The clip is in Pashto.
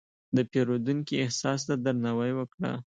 د پیرودونکي احساس ته درناوی وکړه.